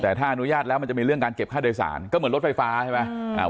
แต่ถ้าอนุญาตแล้วมันจะมีเรื่องการเก็บค่าโดยสารก็เหมือนรถไฟฟ้าใช่ไหม